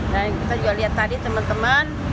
dan kita juga lihat tadi teman teman